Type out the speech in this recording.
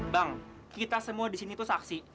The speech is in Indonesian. bang kita semua disini tuh saksi